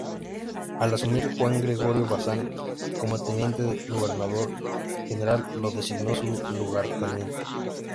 Al asumir Juan Gregorio Bazán como teniente de gobernador general, lo designó su lugarteniente.